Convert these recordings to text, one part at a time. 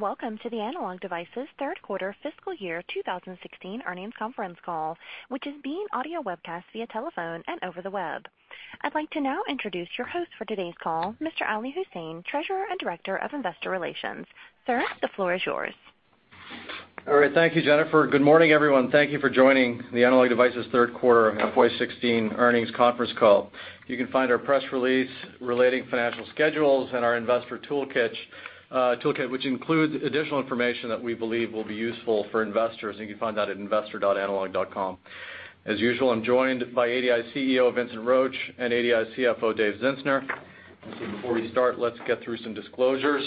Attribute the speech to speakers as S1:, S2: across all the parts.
S1: Welcome to the Analog Devices third quarter fiscal year 2016 earnings conference call, which is being audio webcast via telephone and over the web. I'd like to now introduce your host for today's call, Mr. Ali Husain, Treasurer and Director of Investor Relations. Sir, the floor is yours.
S2: All right. Thank you, Jennifer. Good morning, everyone. Thank you for joining the Analog Devices third quarter FY 2016 earnings conference call. You can find our press release relating financial schedules and our investor toolkit, which includes additional information that we believe will be useful for investors, and you can find that at investor.analog.com. As usual, I'm joined by ADI CEO, Vincent Roche, and ADI CFO, Dave Zinsner. Before we start, let's get through some disclosures.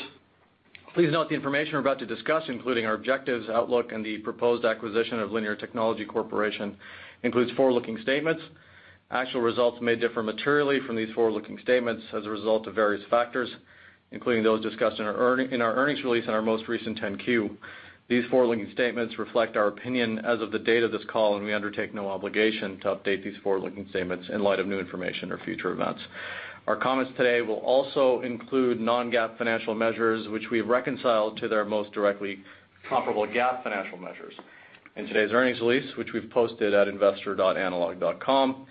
S2: Please note the information we're about to discuss, including our objectives, outlook, and the proposed acquisition of Linear Technology Corporation includes forward-looking statements. Actual results may differ materially from these forward-looking statements as a result of various factors, including those discussed in our earnings release and our most recent 10-Q. These forward-looking statements reflect our opinion as of the date of this call, and we undertake no obligation to update these forward-looking statements in light of new information or future events. Our comments today will also include non-GAAP financial measures, which we've reconciled to their most directly comparable GAAP financial measures in today's earnings release, which we've posted at investor.analog.com.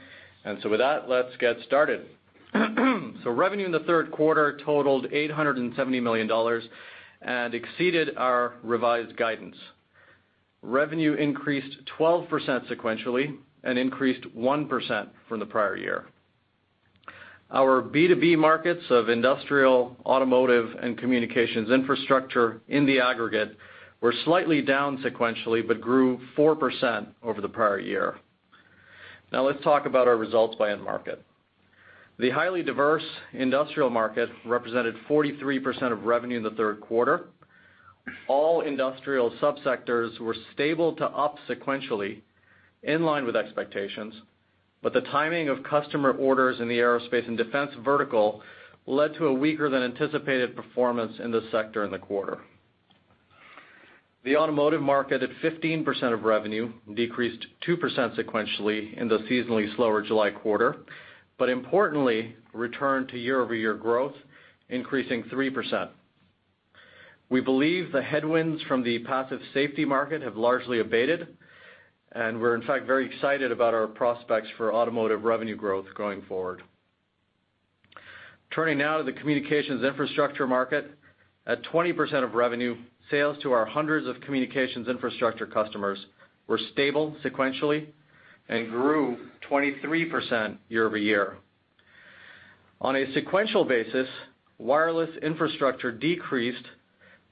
S2: With that, let's get started. Revenue in the third quarter totaled $870 million and exceeded our revised guidance. Revenue increased 12% sequentially and increased 1% from the prior year. Our B2B markets of industrial, automotive, and communications infrastructure in the aggregate were slightly down sequentially, but grew 4% over the prior year. Let's talk about our results by end market. The highly diverse industrial market represented 43% of revenue in the third quarter. All industrial sub-sectors were stable to up sequentially in line with expectations. The timing of customer orders in the aerospace and defense vertical led to a weaker than anticipated performance in this sector in the quarter. The automotive market, at 15% of revenue, decreased 2% sequentially in the seasonally slower July quarter, but importantly returned to year-over-year growth, increasing 3%. We believe the headwinds from the passive safety market have largely abated, and we're in fact very excited about our prospects for automotive revenue growth going forward. Turning now to the communications infrastructure market. At 20% of revenue, sales to our hundreds of communications infrastructure customers were stable sequentially and grew 23% year-over-year. On a sequential basis, wireless infrastructure decreased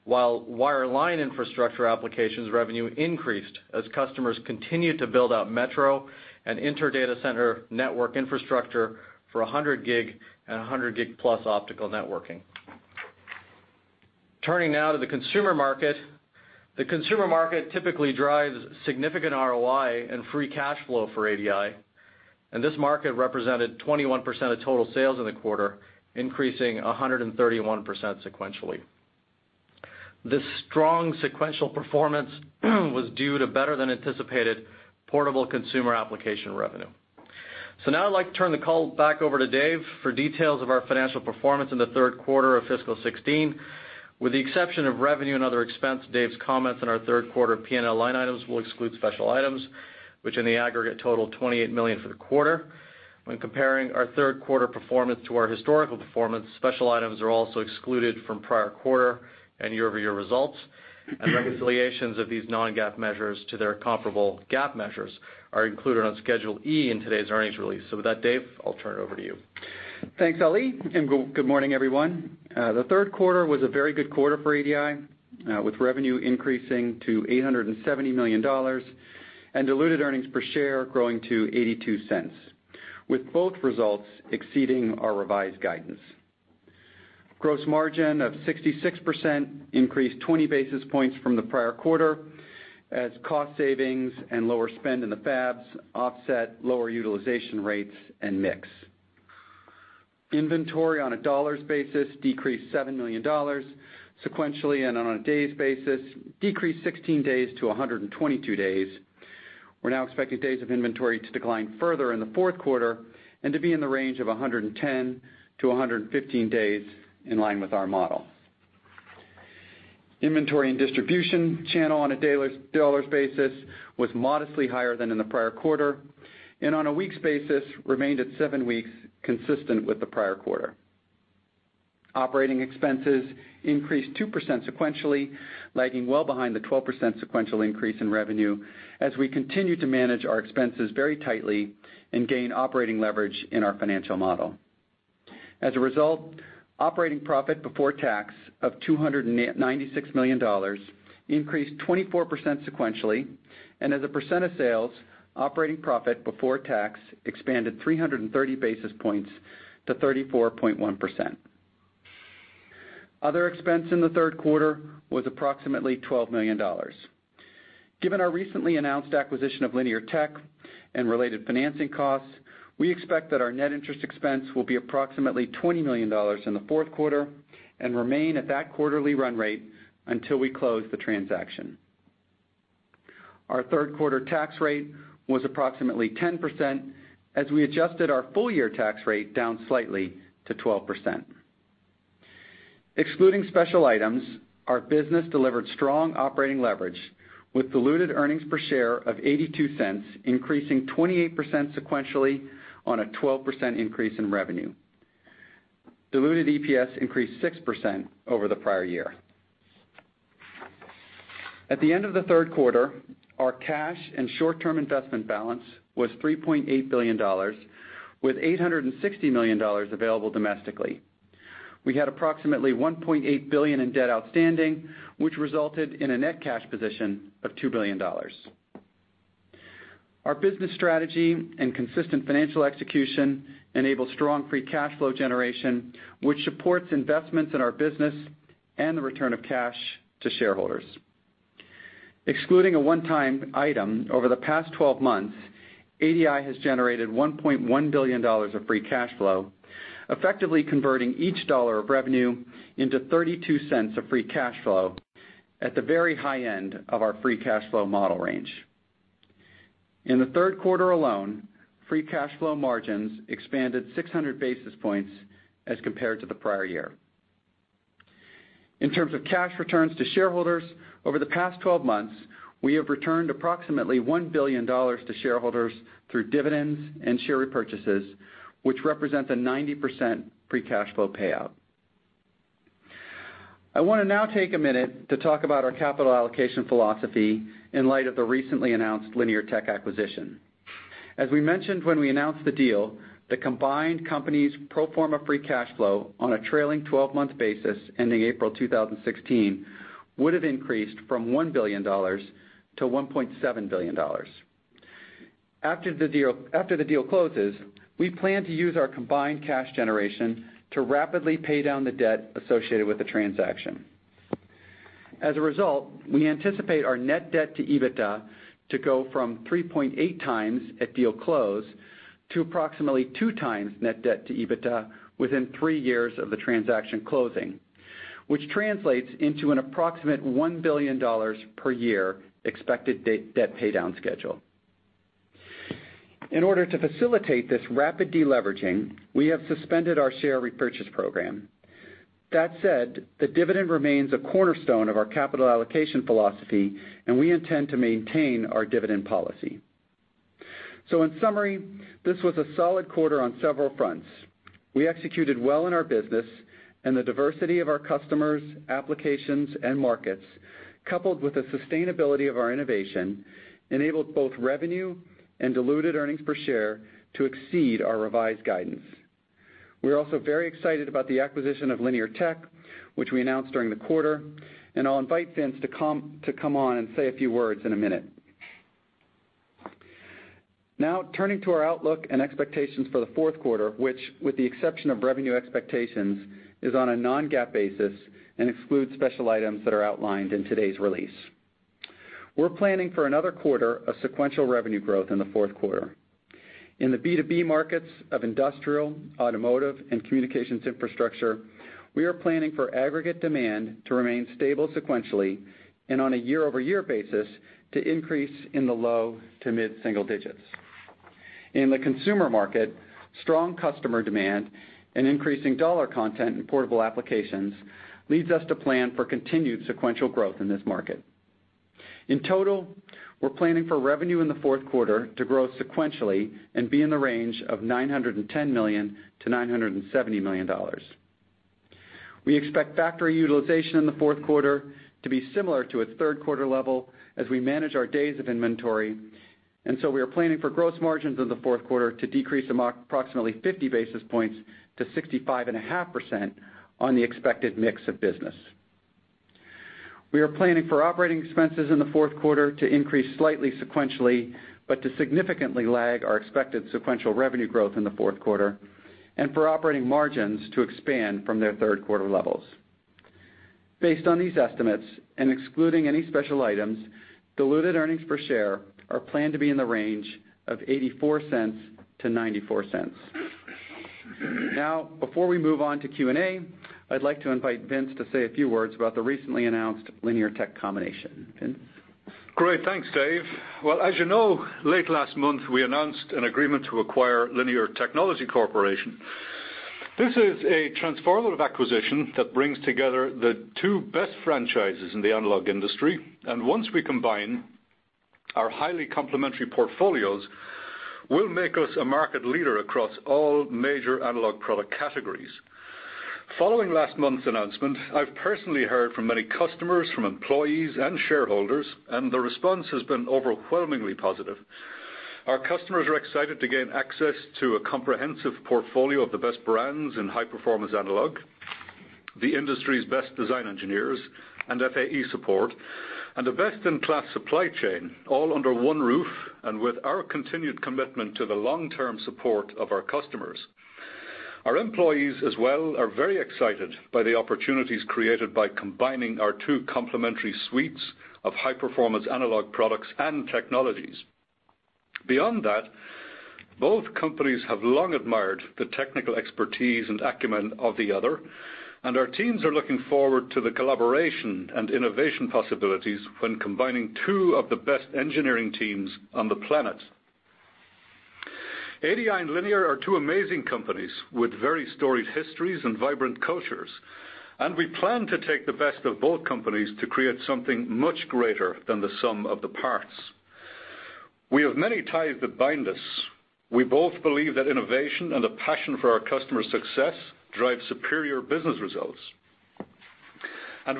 S2: while wireline infrastructure applications revenue increased as customers continued to build out metro and inter data center network infrastructure for 100G and 100G plus optical networking. Turning now to the consumer market. The consumer market typically drives significant ROI and free cash flow for ADI, and this market represented 21% of total sales in the quarter, increasing 131% sequentially. This strong sequential performance was due to better than anticipated portable consumer application revenue. Now I'd like to turn the call back over to Dave for details of our financial performance in the third quarter of fiscal 2016. With the exception of revenue and other expense, Dave's comments on our third quarter P&L line items will exclude special items, which in the aggregate total $28 million for the quarter. When comparing our third quarter performance to our historical performance, special items are also excluded from prior quarter and year-over-year results, and reconciliations of these non-GAAP measures to their comparable GAAP measures are included on Schedule E in today's earnings release. With that, Dave, I'll turn it over to you.
S3: Thanks, Ali, and good morning, everyone. The third quarter was a very good quarter for ADI, with revenue increasing to $870 million and diluted earnings per share growing to $0.82, with both results exceeding our revised guidance. Gross margin of 66% increased 20 basis points from the prior quarter as cost savings and lower spend in the fabs offset lower utilization rates and mix. Inventory on a dollars basis decreased $7 million sequentially, and on a days basis, decreased 16 days to 122 days. We're now expecting days of inventory to decline further in the fourth quarter and to be in the range of 110 to 115 days in line with our model. Inventory and distribution channel on a dollars basis was modestly higher than in the prior quarter and on a weeks basis remained at seven weeks, consistent with the prior quarter. Operating expenses increased 2% sequentially, lagging well behind the 12% sequential increase in revenue as we continue to manage our expenses very tightly and gain operating leverage in our financial model. As a result, operating profit before tax of $296 million increased 24% sequentially, and as a percent of sales, operating profit before tax expanded 330 basis points to 34.1%. Other expense in the third quarter was approximately $12 million. Given our recently announced acquisition of Linear Tech and related financing costs, we expect that our net interest expense will be approximately $20 million in the fourth quarter and remain at that quarterly run rate until we close the transaction. Our third quarter tax rate was approximately 10%, as we adjusted our full-year tax rate down slightly to 12%. Excluding special items, our business delivered strong operating leverage with diluted earnings per share of $0.82, increasing 28% sequentially on a 12% increase in revenue. Diluted EPS increased 6% over the prior year. At the end of the third quarter, our cash and short-term investment balance was $3.8 billion, with $860 million available domestically. We had approximately $1.8 billion in debt outstanding, which resulted in a net cash position of $2 billion. Our business strategy and consistent financial execution enabled strong free cash flow generation, which supports investments in our business and the return of cash to shareholders. Excluding a one-time item over the past 12 months, ADI has generated $1.1 billion of free cash flow, effectively converting each dollar of revenue into $0.32 of free cash flow at the very high end of our free cash flow model range. In the third quarter alone, free cash flow margins expanded 600 basis points as compared to the prior year. In terms of cash returns to shareholders over the past 12 months, we have returned approximately $1 billion to shareholders through dividends and share repurchases, which represent a 90% free cash flow payout. I want to now take a minute to talk about our capital allocation philosophy in light of the recently announced Linear Tech acquisition. As we mentioned when we announced the deal, the combined company's pro forma free cash flow on a trailing 12-month basis ending April 2016, would've increased from $1 billion to $1.7 billion. After the deal closes, we plan to use our combined cash generation to rapidly pay down the debt associated with the transaction. As a result, we anticipate our net debt to EBITDA to go from 3.8 times at deal close to approximately 2 times net debt to EBITDA within three years of the transaction closing, which translates into an approximate $1 billion per year expected debt pay down schedule. In order to facilitate this rapid deleveraging, we have suspended our share repurchase program. That said, the dividend remains a cornerstone of our capital allocation philosophy, and we intend to maintain our dividend policy. In summary, this was a solid quarter on several fronts. We executed well in our business and the diversity of our customers, applications, and markets, coupled with the sustainability of our innovation, enabled both revenue and diluted earnings per share to exceed our revised guidance. We're also very excited about the acquisition of Linear Tech, which we announced during the quarter, and I'll invite Vince to come on and say a few words in a minute. Now turning to our outlook and expectations for the fourth quarter, which with the exception of revenue expectations, is on a non-GAAP basis and excludes special items that are outlined in today's release. We're planning for another quarter of sequential revenue growth in the fourth quarter. In the B2B markets of industrial, automotive, and communications infrastructure, we are planning for aggregate demand to remain stable sequentially, and on a year-over-year basis to increase in the low to mid-single digits. In the consumer market, strong customer demand and increasing dollar content in portable applications leads us to plan for continued sequential growth in this market. In total, we're planning for revenue in the fourth quarter to grow sequentially and be in the range of $910 million to $970 million. We expect factory utilization in the fourth quarter to be similar to its third quarter level as we manage our days of inventory. We are planning for gross margins in the fourth quarter to decrease approximately 50 basis points to 65.5% on the expected mix of business. We are planning for operating expenses in the fourth quarter to increase slightly sequentially, to significantly lag our expected sequential revenue growth in the fourth quarter, and for operating margins to expand from their third quarter levels. Based on these estimates, excluding any special items, diluted earnings per share are planned to be in the range of $0.84-$0.94. Now, before we move on to Q&A, I'd like to invite Vince to say a few words about the recently announced Linear Tech combination. Vince?
S4: Great. Thanks, Dave. Well, as you know, late last month we announced an agreement to acquire Linear Technology Corporation. This is a transformative acquisition that brings together the two best franchises in the analog industry. Once we combine our highly complementary portfolios will make us a market leader across all major analog product categories. Following last month's announcement, I've personally heard from many customers, from employees and shareholders. The response has been overwhelmingly positive. Our customers are excited to gain access to a comprehensive portfolio of the best brands in high-performance analog, the industry's best design engineers, FAE support, and a best-in-class supply chain all under one roof, with our continued commitment to the long-term support of our customers. Our employees as well are very excited by the opportunities created by combining our two complementary suites of high-performance analog products and technologies. Beyond that, both companies have long admired the technical expertise and acumen of the other. Our teams are looking forward to the collaboration and innovation possibilities when combining two of the best engineering teams on the planet. ADI and Linear are two amazing companies with very storied histories and vibrant cultures. We plan to take the best of both companies to create something much greater than the sum of the parts. We have many ties that bind us. We both believe that innovation and a passion for our customers' success drives superior business results.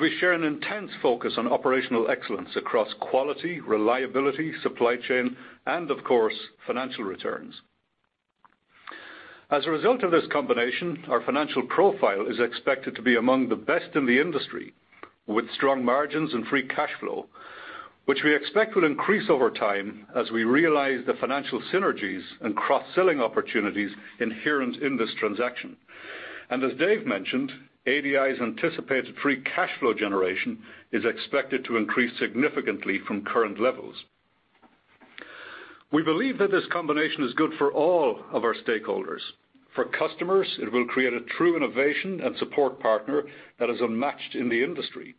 S4: We share an intense focus on operational excellence across quality, reliability, supply chain, and of course, financial returns. As a result of this combination, our financial profile is expected to be among the best in the industry, with strong margins and free cash flow, which we expect will increase over time as we realize the financial synergies and cross-selling opportunities inherent in this transaction. As Dave mentioned, ADI's anticipated free cash flow generation is expected to increase significantly from current levels. We believe that this combination is good for all of our stakeholders. For customers, it will create a true innovation and support partner that is unmatched in the industry.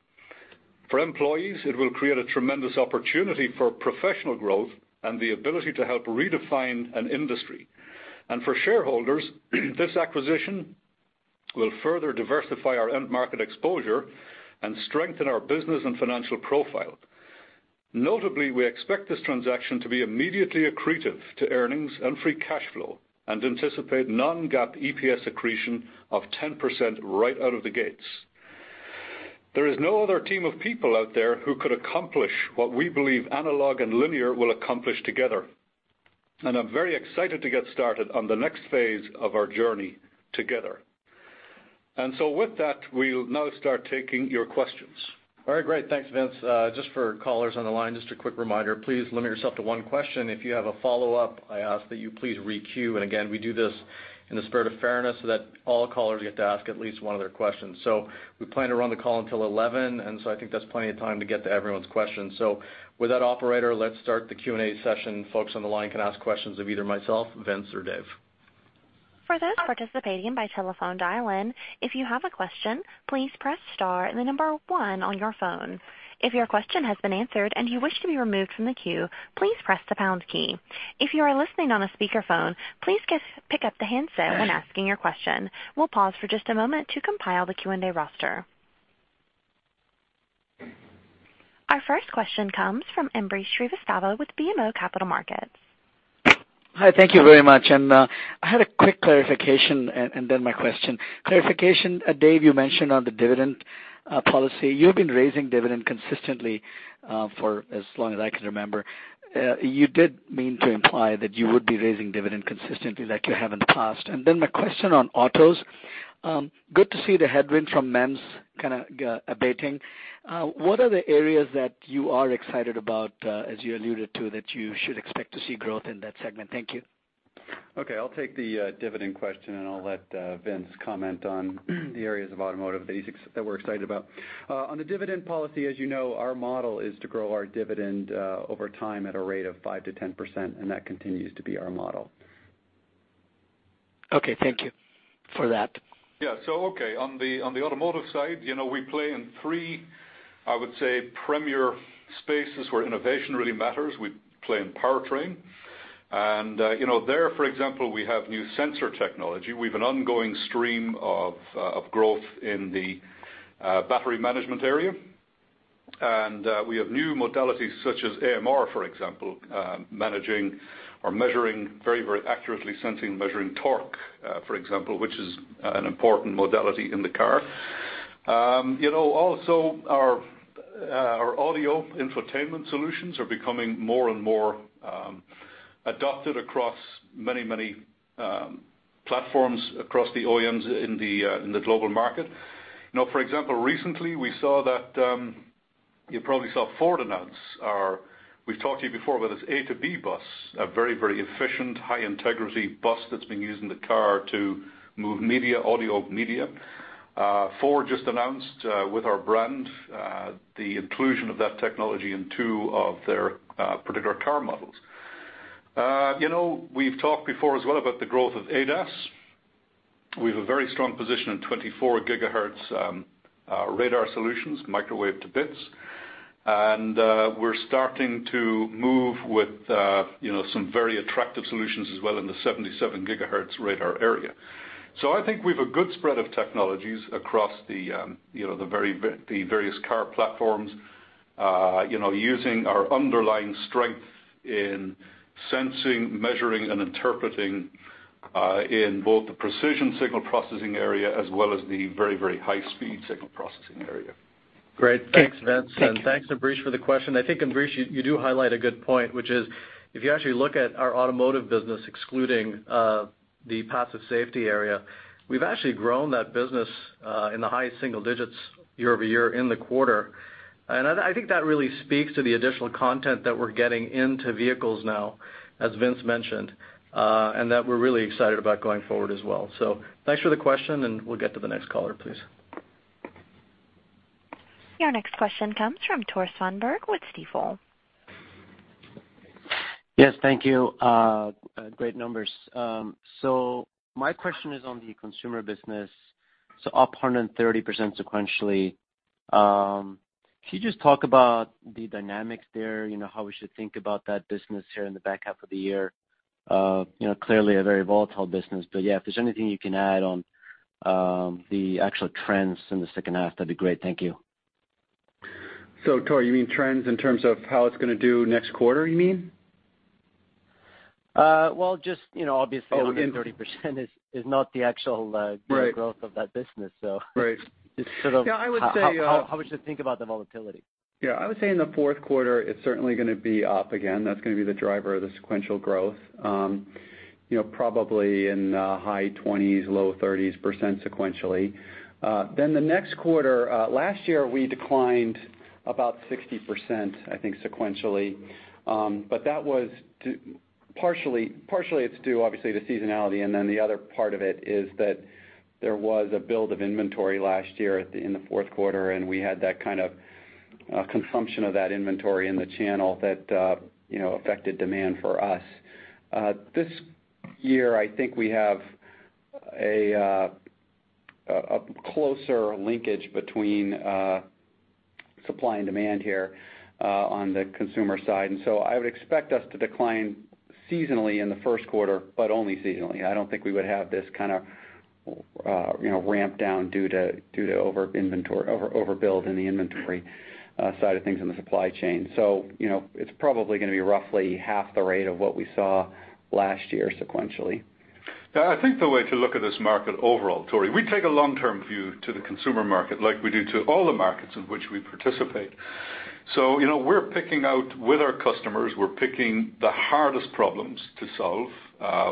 S4: For employees, it will create a tremendous opportunity for professional growth and the ability to help redefine an industry. For shareholders, this acquisition will further diversify our end market exposure and strengthen our business and financial profile. Notably, we expect this transaction to be immediately accretive to earnings and free cash flow and anticipate non-GAAP EPS accretion of 10% right out of the gates. There is no other team of people out there who could accomplish what we believe Analog and Linear will accomplish together. I'm very excited to get started on the next phase of our journey together. With that, we'll now start taking your questions.
S2: All right, great. Thanks, Vince. Just for callers on the line, just a quick reminder, please limit yourself to one question. If you have a follow-up, I ask that you please re-queue. Again, we do this in the spirit of fairness so that all callers get to ask at least one of their questions. We plan to run the call until 11, I think that's plenty of time to get to everyone's questions. With that, operator, let's start the Q&A session. Folks on the line can ask questions of either myself, Vince, or Dave.
S1: For those participating by telephone dial-in, if you have a question, please press star and the number 1 on your phone. If your question has been answered and you wish to be removed from the queue, please press the pound key. If you are listening on a speakerphone, please pick up the handset when asking your question. We'll pause for just a moment to compile the Q&A roster. Our first question comes from Ambrish Srivastava with BMO Capital Markets.
S5: Hi. Thank you very much. I had a quick clarification and then my question. Clarification, Dave, you mentioned on the dividend policy. You've been raising dividend consistently for as long as I can remember. You did mean to imply that you would be raising dividend consistently like you have in the past? My question on autos. Good to see the headwind from MEMS kind of abating. What are the areas that you are excited about, as you alluded to, that you should expect to see growth in that segment? Thank you.
S2: I'll take the dividend question, and I'll let Vince comment on the areas of automotive that we're excited about. On the dividend policy, as you know, our model is to grow our dividend over time at a rate of 5%-10%, and that continues to be our model.
S5: Thank you for that.
S4: On the automotive side, we play in three, I would say, premier spaces where innovation really matters. We play in powertrain, and there, for example, we have new sensor technology. We've an ongoing stream of growth in the battery management area. We have new modalities such as AMR, for example, managing or measuring very accurately sensing and measuring torque, for example, which is an important modality in the car. Also, our audio infotainment solutions are becoming more and more adopted across many platforms across the OEMs in the global market. For example, recently we saw that, you probably saw Ford announce We've talked to you before about this A2B bus, a very efficient, high-integrity bus that's being used in the car to move media, audio media. Ford just announced, with our brand, the inclusion of that technology in two of their particular car models. We've talked before as well about the growth of ADAS. We have a very strong position in 24 gigahertz radar solutions, microwave to bits. We're starting to move with some very attractive solutions as well in the 77 gigahertz radar area. I think we've a good spread of technologies across the various car platforms, using our underlying strength in sensing, measuring, and interpreting in both the precision signal processing area as well as the very high-speed signal processing area.
S2: Great. Thanks, Vince.
S5: Thank you.
S2: Thanks, Ambrish, for the question. I think, Ambrish, you do highlight a good point, which is, if you actually look at our automotive business, excluding the passive safety area, we've actually grown that business in the high single digits year-over-year in the quarter. I think that really speaks to the additional content that we're getting into vehicles now, as Vince mentioned, and that we're really excited about going forward as well. Thanks for the question, and we'll get to the next caller, please.
S1: Your next question comes from Tore Svanberg with Stifel.
S6: Yes, thank you. Great numbers. My question is on the consumer business. Up 130% sequentially. Can you just talk about the dynamics there, how we should think about that business here in the back half of the year? Clearly a very volatile business. Yeah, if there's anything you can add on the actual trends in the second half, that'd be great. Thank you.
S3: Tor, you mean trends in terms of how it's going to do next quarter?
S6: Well,
S3: Oh.
S6: 130% is not the.
S3: Right
S6: true growth of that business so.
S3: Right.
S6: Just.
S3: Yeah, I would say-
S6: How we should think about the volatility?
S3: Yeah, I would say in the fourth quarter, it's certainly going to be up again. That's going to be the driver of the sequential growth. Probably in the high 20s, low 30s% sequentially. The next quarter, last year, we declined about 60%, I think, sequentially. That was partially it's due, obviously, to seasonality, and then the other part of it is that there was a build of inventory last year in the fourth quarter, and we had that kind of consumption of that inventory in the channel that affected demand for us. This year, I think we have a closer linkage between supply and demand here on the consumer side. I would expect us to decline seasonally in the first quarter, but only seasonally. I don't think we would have this kind of ramp down due to overbuild in the inventory side of things in the supply chain. It's probably going to be roughly half the rate of what we saw last year sequentially.
S4: Yeah, I think the way to look at this market overall, Tore, we take a long-term view to the consumer market like we do to all the markets in which we participate. We're picking out with our customers, we're picking the hardest problems to solve.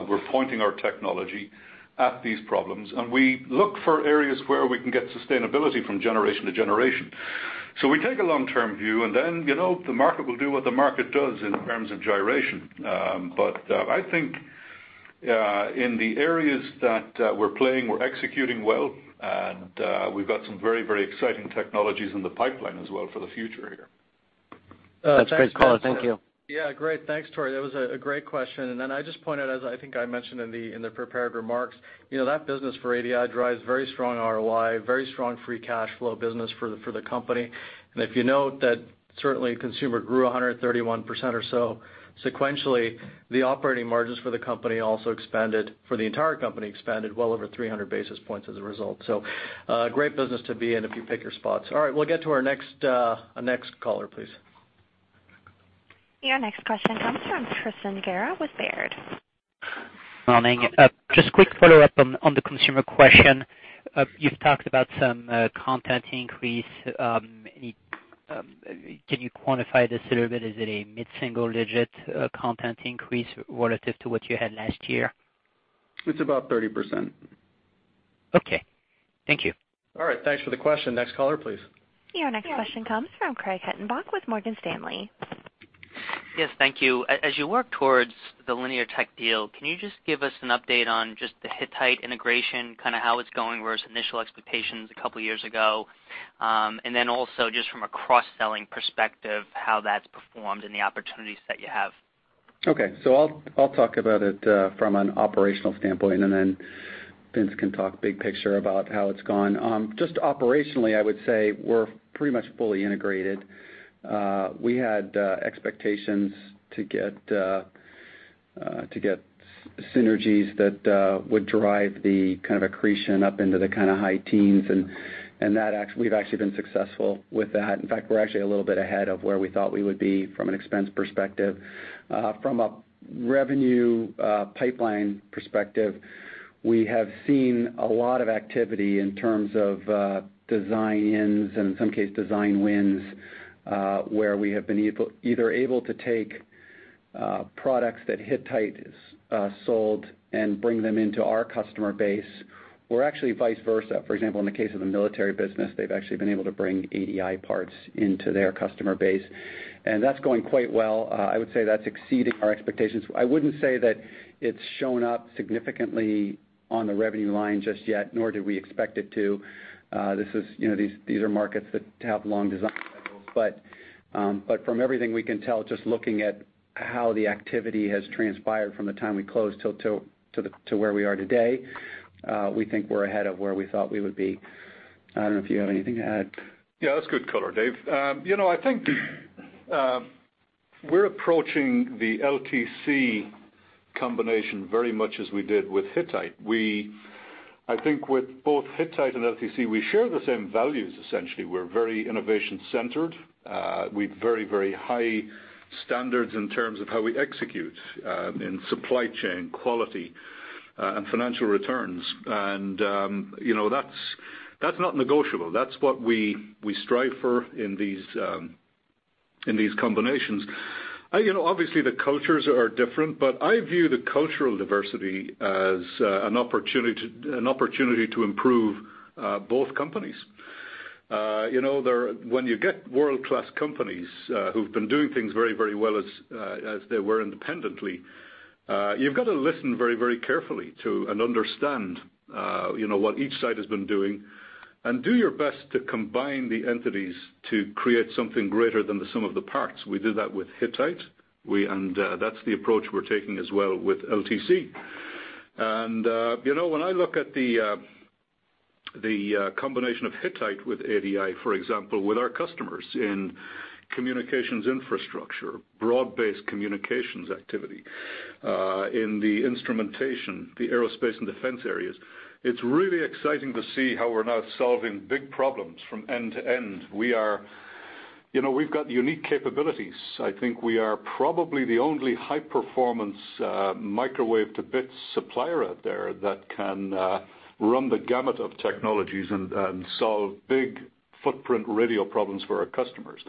S4: We're pointing our technology at these problems, and we look for areas where we can get sustainability from generation to generation. We take a long-term view, and then the market will do what the market does in terms of gyration. I think, in the areas that we're playing, we're executing well, and we've got some very, very exciting technologies in the pipeline as well for the future here.
S6: That's great color. Thank you.
S2: Yeah, great. Thanks, Tore. That was a great question. I just pointed, as I think I mentioned in the prepared remarks, that business for ADI drives very strong ROI, very strong free cash flow business for the company. If you note that certainly consumer grew 131% or so sequentially, the operating margins for the company also expanded, for the entire company expanded well over 300 basis points as a result. Great business to be in if you pick your spots. We'll get to our next caller, please.
S1: Your next question comes from Tristan Gerra with Baird.
S7: Morning. Just quick follow-up on the consumer question. You've talked about some content increase. Can you quantify this a little bit? Is it a mid-single-digit content increase relative to what you had last year?
S3: It's about 30%.
S7: Okay. Thank you.
S3: All right, thanks for the question. Next caller, please.
S1: Your next question comes from Craig Hettenbach with Morgan Stanley.
S8: Yes, thank you. As you work towards the Linear Tech deal, can you just give us an update on just the Hittite integration, kind of how it's going versus initial expectations a couple of years ago? Also just from a cross-selling perspective, how that's performed and the opportunities that you have.
S3: I'll talk about it from an operational standpoint, and then Vince can talk big picture about how it's gone. Just operationally, I would say we're pretty much fully integrated. We had expectations to get synergies that would drive the kind of accretion up into the high teens, and we've actually been successful with that. In fact, we're actually a little bit ahead of where we thought we would be from an expense perspective. From a revenue pipeline perspective, we have seen a lot of activity in terms of design-ins and in some cases, design wins, where we have either able to take products that Hittite sold and bring them into our customer base, or actually vice versa. For example, in the case of the military business, they've actually been able to bring ADI parts into their customer base, and that's going quite well. I would say that's exceeding our expectations. I wouldn't say that it's shown up significantly on the revenue line just yet, nor do we expect it to. These are markets that have long design schedules, but from everything we can tell, just looking at how the activity has transpired from the time we closed to where we are today, we think we're ahead of where we thought we would be. I don't know if you have anything to add.
S4: Yeah, that's good color, Dave. I think we're approaching the LTC combination very much as we did with Hittite. I think with both Hittite and LTC, we share the same values, essentially. We're very innovation-centered, with very, very high standards in terms of how we execute in supply chain quality and financial returns. That's not negotiable. That's what we strive for in these combinations. Obviously, the cultures are different, but I view the cultural diversity as an opportunity to improve both companies. When you get world-class companies who've been doing things very, very well as they were independently. You've got to listen very carefully to, and understand what each side has been doing, and do your best to combine the entities to create something greater than the sum of the parts. We did that with Hittite, and that's the approach we're taking as well with LTC. When I look at the combination of Hittite with ADI, for example, with our customers in communications infrastructure, broad-based communications activity, in the instrumentation, the aerospace and defense areas, it's really exciting to see how we're now solving big problems from end to end. We've got unique capabilities. I think we are probably the only high-performance microwave-to-bits supplier out there that can run the gamut of technologies and solve big footprint radio problems for our customers.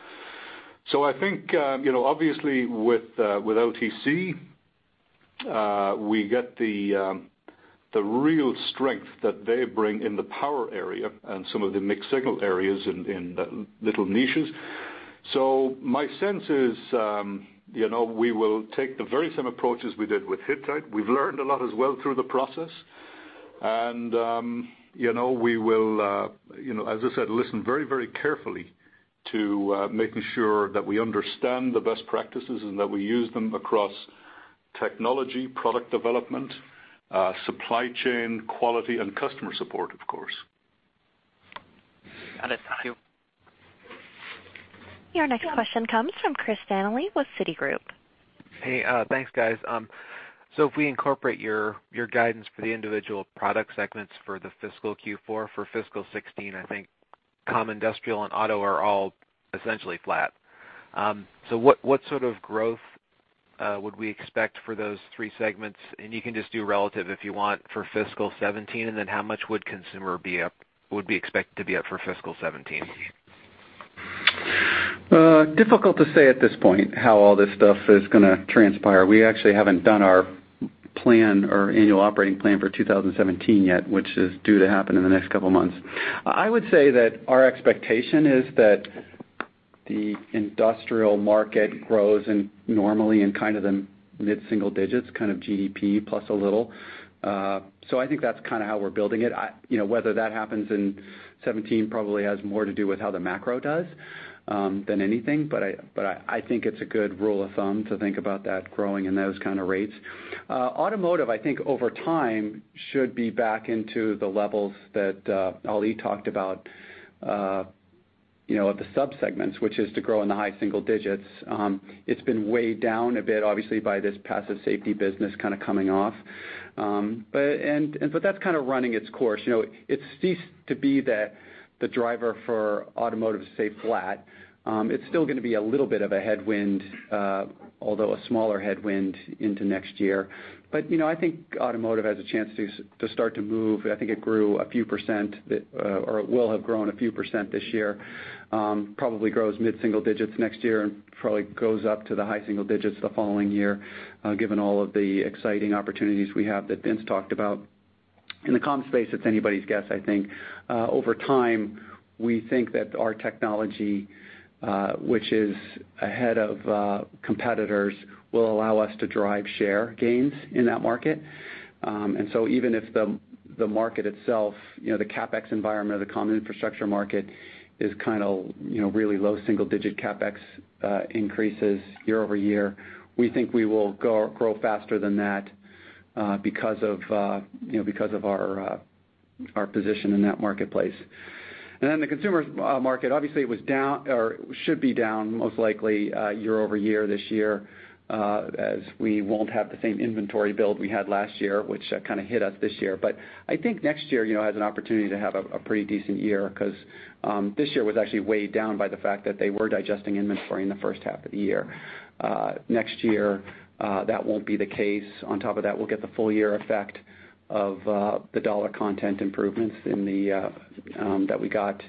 S4: I think, obviously, with LTC, we get the real strength that they bring in the power area and some of the mixed signal areas in the little niches. My sense is, we will take the very same approaches we did with Hittite. We've learned a lot as well through the process. We will, as I said, listen very carefully to making sure that we understand the best practices and that we use them across technology, product development, supply chain, quality, and customer support, of course.
S8: Got it. Thank you.
S1: Your next question comes from Chris Danely with Citigroup.
S9: Hey, thanks, guys. If we incorporate your guidance for the individual product segments for the fiscal Q4 for fiscal 2016, I think comm, industrial, and auto are all essentially flat. What sort of growth would we expect for those three segments? You can just do relative if you want for fiscal 2017, then how much would consumer be expected to be up for fiscal 2017?
S3: Difficult to say at this point how all this stuff is going to transpire. We actually haven't done our plan, our annual operating plan for 2017 yet, which is due to happen in the next couple of months. I would say that our expectation is that the industrial market grows normally in the mid-single digits, kind of GDP plus a little. I think that's kind of how we're building it. Whether that happens in 2017 probably has more to do with how the macro does than anything. I think it's a good rule of thumb to think about that growing in those kind of rates. Automotive, I think over time should be back into the levels that Ali talked about, of the sub-segments, which is to grow in the high single digits. It's been weighed down a bit, obviously, by this passive safety business kind of coming off. That's kind of running its course. It ceased to be the driver for automotive to stay flat. It's still going to be a little bit of a headwind, although a smaller headwind into next year. I think automotive has a chance to start to move. I think it grew a few percent, or it will have grown a few percent this year. Probably grows mid-single digits next year and probably goes up to the high single digits the following year, given all of the exciting opportunities we have that Vince talked about. In the comm space, it's anybody's guess, I think. Over time, we think that our technology, which is ahead of competitors, will allow us to drive share gains in that market. Even if the market itself, the CapEx environment of the comm infrastructure market is kind of really low single-digit CapEx increases year-over-year, we think we will grow faster than that because of our position in that marketplace. The consumer market, obviously, should be down most likely year-over-year this year, as we won't have the same inventory build we had last year, which kind of hit us this year. I think next year has an opportunity to have a pretty decent year because this year was actually weighed down by the fact that they were digesting inventory in the first half of the year. Next year, that won't be the case. On top of that, we'll get the full year effect of the dollar content improvements that we got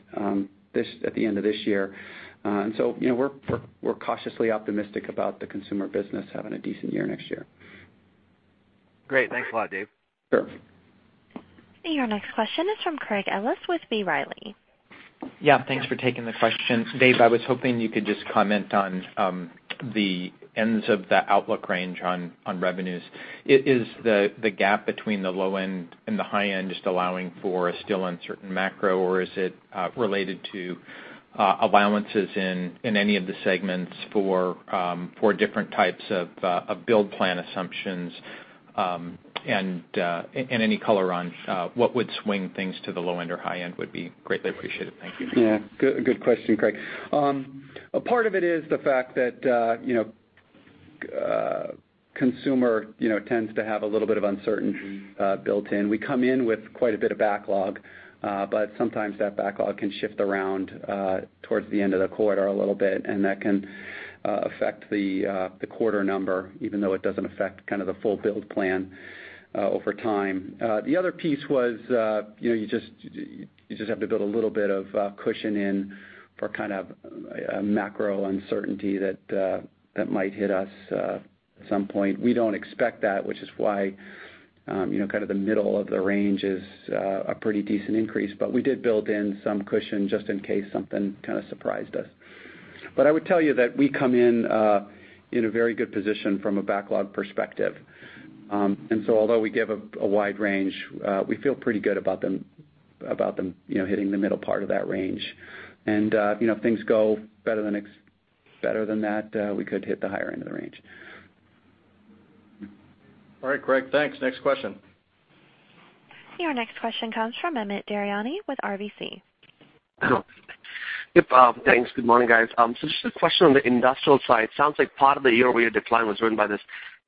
S3: at the end of this year. We're cautiously optimistic about the consumer business having a decent year next year.
S9: Great. Thanks a lot, Dave.
S4: Sure.
S1: Your next question is from Craig Ellis with B. Riley.
S10: Yeah, thanks for taking the question. Dave, I was hoping you could just comment on the ends of the outlook range on revenues. Is the gap between the low end and the high end just allowing for a still uncertain macro, or is it related to allowances in any of the segments for different types of build plan assumptions? Any color on what would swing things to the low end or high end would be greatly appreciated. Thank you.
S3: Yeah. Good question, Craig. A part of it is the fact that consumer tends to have a little bit of uncertainty built in. We come in with quite a bit of backlog, but sometimes that backlog can shift around towards the end of the quarter a little bit, and that can affect the quarter number, even though it doesn't affect the full build plan over time. The other piece was you just have to build a little bit of cushion in for a macro uncertainty that might hit us at some point. We don't expect that, which is why. Kind of the middle of the range is a pretty decent increase, but we did build in some cushion just in case something kind of surprised us. I would tell you that we come in in a very good position from a backlog perspective. So although we give a wide range, we feel pretty good about them hitting the middle part of that range. If things go better than that, we could hit the higher end of the range.
S2: All right, Craig, thanks. Next question.
S1: Your next question comes from Amit Daryanani with RBC.
S11: Yep. Thanks. Good morning, guys. Just a question on the industrial side. It sounds like part of the year-over-year decline was driven by this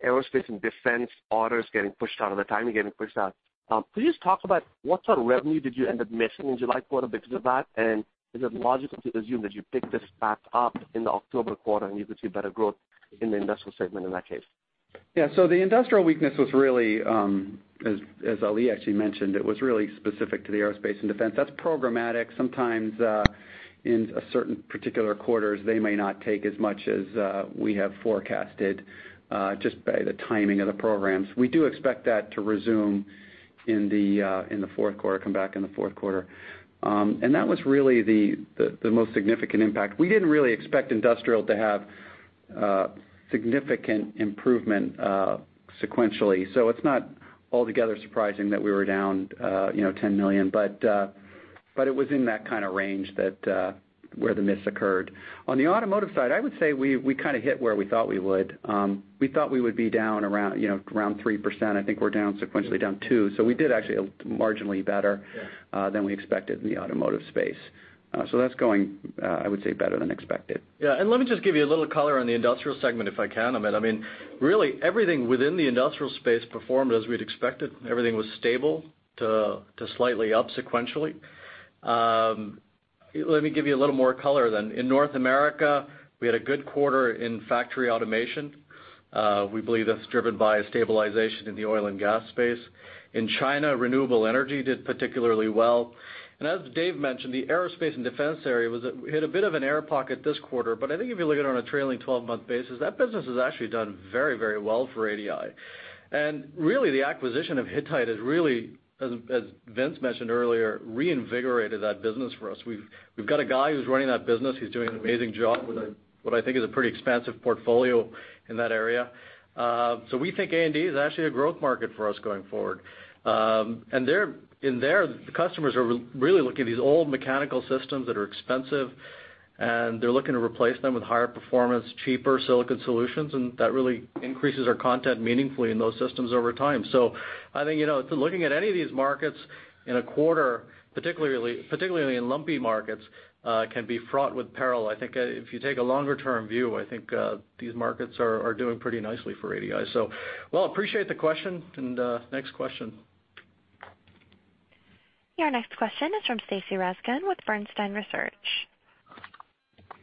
S11: aerospace and defense orders getting pushed out, or the timing getting pushed out. Could you just talk about what sort of revenue did you end up missing in July quarter because of that? Is it logical to assume that you pick this back up in the October quarter, and you could see better growth in the industrial segment in that case?
S3: Yeah. The industrial weakness was really, as Ali actually mentioned, it was really specific to the aerospace and defense. That's programmatic. Sometimes in certain particular quarters, they may not take as much as we have forecasted just by the timing of the programs. We do expect that to resume in the fourth quarter, come back in the fourth quarter. That was really the most significant impact. We didn't really expect industrial to have significant improvement sequentially, so it's not altogether surprising that we were down $10 million, but it was in that kind of range where the miss occurred. On the automotive side, I would say we kind of hit where we thought we would. We thought we would be down around 3%. I think we're down sequentially down 2%. We did actually marginally better-
S2: Yeah
S3: than we expected in the automotive space. That's going, I would say, better than expected.
S2: Let me just give you a little color on the industrial segment, if I can, Amit. Really, everything within the industrial space performed as we'd expected. Everything was stable to slightly up sequentially. Let me give you a little more color. In North America, we had a good quarter in factory automation. We believe that's driven by a stabilization in the oil and gas space. In China, renewable energy did particularly well. As Dave mentioned, the aerospace and defense area hit a bit of an air pocket this quarter, but I think if you look at it on a trailing 12-month basis, that business has actually done very well for ADI. Really, the acquisition of Hittite has really, as Vince mentioned earlier, reinvigorated that business for us. We've got a guy who's running that business. He's doing an amazing job with what I think is a pretty expansive portfolio in that area. We think A&D is actually a growth market for us going forward. There, the customers are really looking at these old mechanical systems that are expensive, and they're looking to replace them with higher performance, cheaper silicon solutions, and that really increases our content meaningfully in those systems over time. I think, looking at any of these markets in a quarter, particularly in lumpy markets, can be fraught with peril. I think if you take a longer-term view, I think these markets are doing pretty nicely for ADI. Appreciate the question, next question.
S1: Your next question is from Stacy Rasgon with Bernstein Research.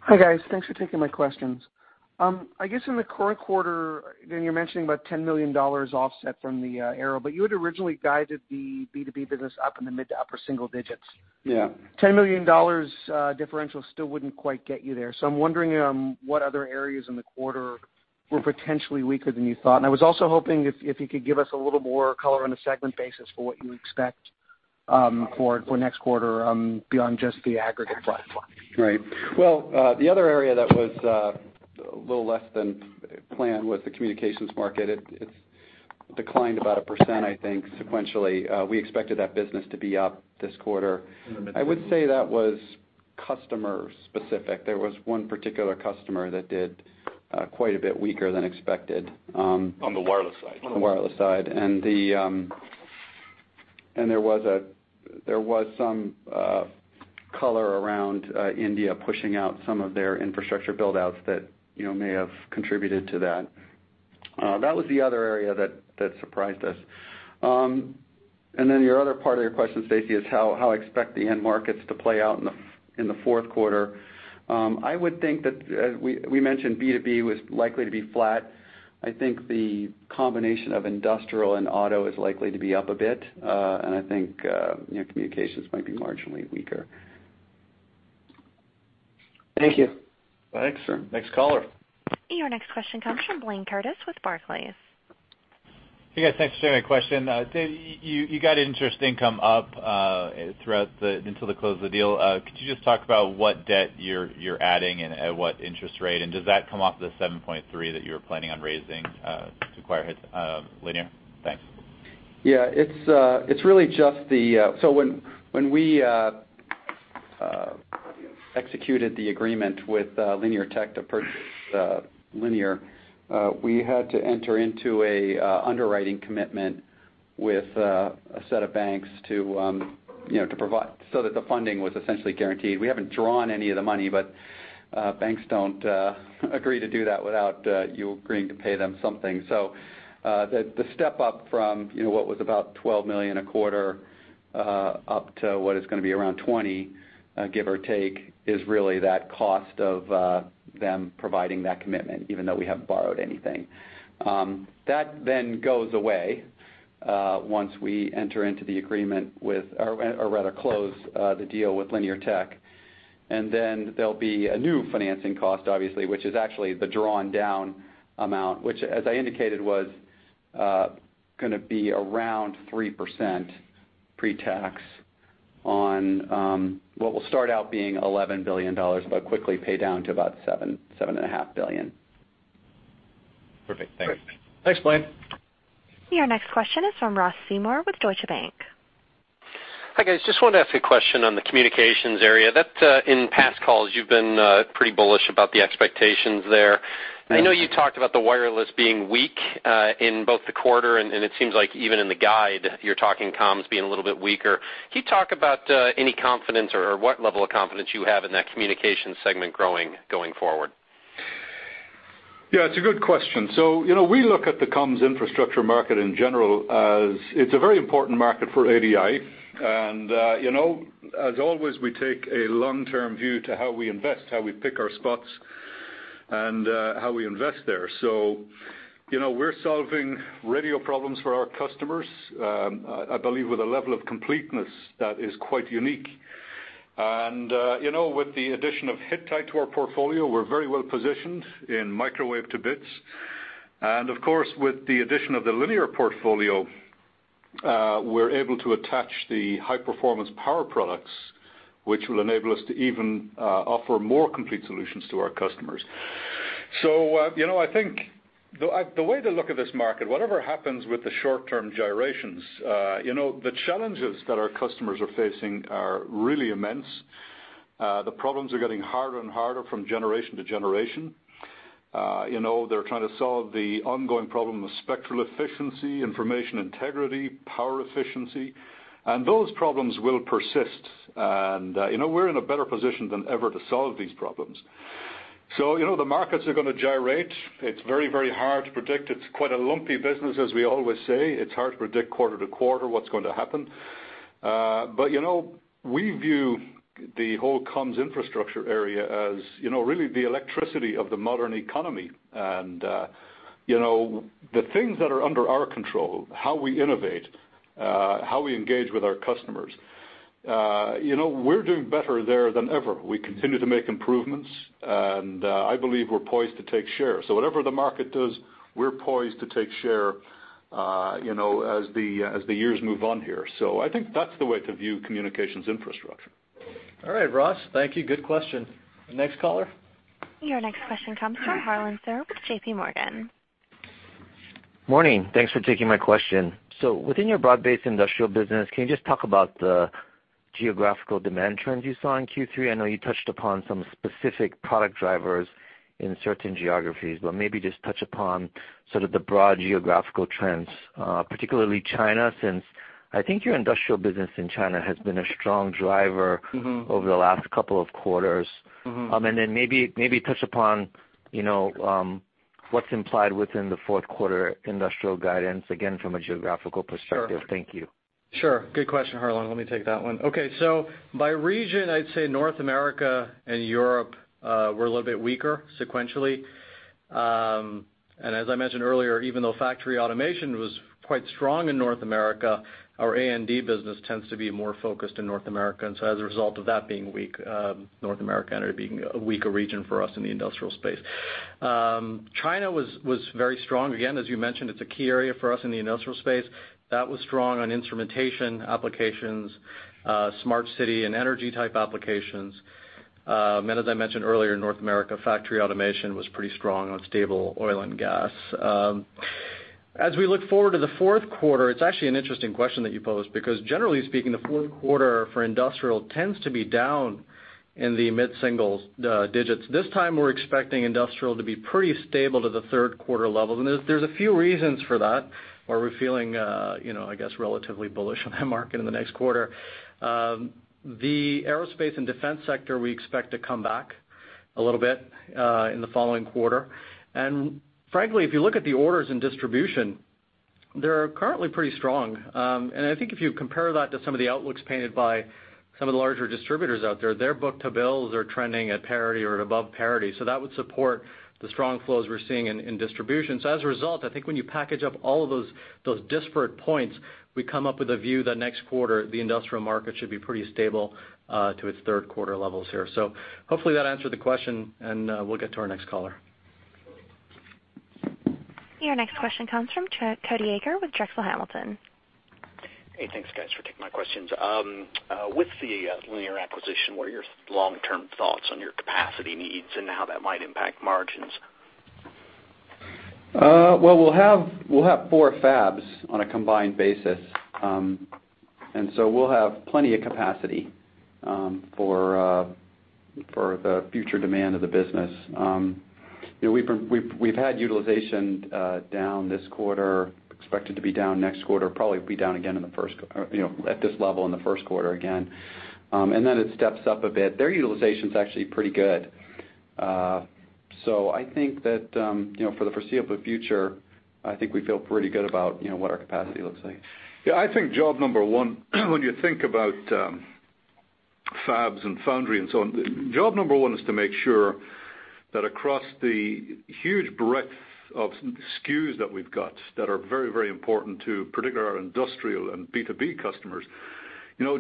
S12: Hi, guys. Thanks for taking my questions. I guess in the current quarter, Dave, you're mentioning about $10 million offset from the aero, but you had originally guided the B2B business up in the mid to upper single digits.
S2: Yeah.
S12: $10 million differential still wouldn't quite get you there. I'm wondering what other areas in the quarter were potentially weaker than you thought. I was also hoping if you could give us a little more color on a segment basis for what you expect for next quarter beyond just the aggregate platform.
S3: Well, the other area that was a little less than planned was the communications market. It declined about 1%, I think, sequentially. We expected that business to be up this quarter. I would say that was customer specific. There was one particular customer that did quite a bit weaker than expected.
S2: On the wireless side.
S3: On the wireless side. There was some color around India pushing out some of their infrastructure build-outs that may have contributed to that. That was the other area that surprised us. Your other part of your question, Stacy, is how I expect the end markets to play out in the fourth quarter. I would think that, as we mentioned, B2B was likely to be flat. I think the combination of industrial and auto is likely to be up a bit. I think communications might be marginally weaker.
S12: Thank you.
S2: Thanks. Next caller.
S1: Your next question comes from Blayne Curtis with Barclays.
S13: Hey, guys. Thanks for taking my question. Dave, you got interest income up until the close of the deal. Could you just talk about what debt you're adding and at what interest rate? Does that come off the $7.3 that you were planning on raising to acquire Linear? Thanks.
S3: When we executed the agreement with Linear Tech to purchase Linear, we had to enter into an underwriting commitment with a set of banks so that the funding was essentially guaranteed. We haven't drawn any of the money, banks don't agree to do that without you agreeing to pay them something. The step-up from what was about $12 million a quarter up to what is going to be around $20, give or take, is really that cost of them providing that commitment, even though we haven't borrowed anything. That goes away once we enter into the agreement with, or rather close the deal with Linear Tech. There'll be a new financing cost, obviously, which is actually the drawn-down amount, which as I indicated, was going to be around 3% pre-tax on what will start out being $11 billion, but quickly pay down to about $7.5 billion.
S13: Perfect. Thanks.
S2: Great. Thanks, Blayne.
S1: Your next question is from Ross Seymore with Deutsche Bank.
S14: Hi, guys. Just wanted to ask a question on the communications area, that in past calls you've been pretty bullish about the expectations there. I know you talked about the wireless being weak in both the quarter, and it seems like even in the guide, you're talking comms being a little bit weaker. Can you talk about any confidence or what level of confidence you have in that communication segment growing, going forward?
S4: Yeah, it's a good question. We look at the comms infrastructure market in general as it's a very important market for ADI. As always, we take a long-term view to how we invest, how we pick our spots, and how we invest there. We're solving radio problems for our customers, I believe, with a level of completeness that is quite unique. With the addition of Hittite to our portfolio, we're very well positioned in microwave to bits. Of course, with the addition of the Linear portfolio, we're able to attach the high-performance power products, which will enable us to even offer more complete solutions to our customers. I think the way to look at this market, whatever happens with the short-term gyrations, the challenges that our customers are facing are really immense. The problems are getting harder and harder from generation to generation. They're trying to solve the ongoing problem of spectral efficiency, information integrity, power efficiency, and those problems will persist. We're in a better position than ever to solve these problems. The markets are going to gyrate. It's very, very hard to predict. It's quite a lumpy business, as we always say. It's hard to predict quarter to quarter what's going to happen. We view the whole comms infrastructure area as really the electricity of the modern economy. The things that are under our control, how we innovate, how we engage with our customers, we're doing better there than ever. We continue to make improvements, and I believe we're poised to take share. Whatever the market does, we're poised to take share as the years move on here. I think that's the way to view communications infrastructure.
S2: All right, Ross. Thank you. Good question. Next caller?
S1: Your next question comes from Harlan Sur with JP Morgan.
S15: Within your broad-based industrial business, can you just talk about the geographical demand trends you saw in Q3? I know you touched upon some specific product drivers in certain geographies, maybe just touch upon sort of the broad geographical trends, particularly China, since I think your industrial business in China has been a strong driver over the last couple of quarters. Maybe touch upon what's implied within the fourth quarter industrial guidance, again, from a geographical perspective.
S2: Sure.
S15: Thank you.
S2: Sure. Good question, Harlan. Let me take that one. Okay. By region, I'd say North America and Europe were a little bit weaker sequentially. As I mentioned earlier, even though factory automation was quite strong in North America, our A&D business tends to be more focused in North America. As a result of that being weak, North America ended up being a weaker region for us in the industrial space. China was very strong. Again, as you mentioned, it's a key area for us in the industrial space. That was strong on instrumentation applications, smart city, and energy-type applications. As I mentioned earlier, North America factory automation was pretty strong on stable oil and gas. As we look forward to the fourth quarter, it's actually an interesting question that you posed because generally speaking, the fourth quarter for industrial tends to be down in the mid-single digits. This time, we're expecting industrial to be pretty stable to the third quarter level. There's a few reasons for that, why we're feeling, I guess, relatively bullish on that market in the next quarter. The aerospace and defense sector, we expect to come back a little bit in the following quarter. Frankly, if you look at the orders in distribution, they're currently pretty strong. I think if you compare that to some of the outlooks painted by some of the larger distributors out there, their book-to-bills are trending at parity or above parity. That would support the strong flows we're seeing in distribution. As a result, I think when you package up all of those disparate points, we come up with a view that next quarter, the industrial market should be pretty stable to its third-quarter levels here. Hopefully that answered the question, and we'll get to our next caller.
S1: Your next question comes from Cody Acree with Drexel Hamilton.
S16: Hey, thanks, guys, for taking my questions. With the Linear acquisition, what are your long-term thoughts on your capacity needs and how that might impact margins?
S2: Well, we'll have four fabs on a combined basis, we'll have plenty of capacity for the future demand of the business. We've had utilization down this quarter, expected to be down next quarter, probably be down again at this level in the first quarter again. Then it steps up a bit. Their utilization's actually pretty good. I think that for the foreseeable future, I think we feel pretty good about what our capacity looks like.
S4: Yeah, I think job number one when you think about fabs and foundry and so on, job number one is to make sure that across the huge breadth of SKUs that we've got that are very important to particularly our industrial and B2B customers,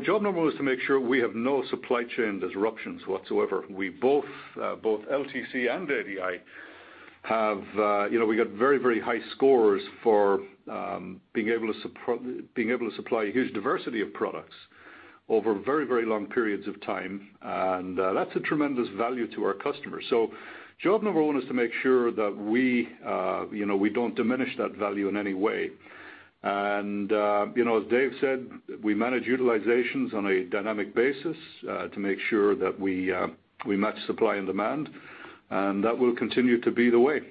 S4: job number one is to make sure we have no supply chain disruptions whatsoever. We both, LTC and ADI, we got very high scores for being able to supply a huge diversity of products over very long periods of time, and that's a tremendous value to our customers. Job number one is to make sure that we don't diminish that value in any way. As Dave said, we manage utilizations on a dynamic basis to make sure that we match supply and demand, and that will continue to be the way.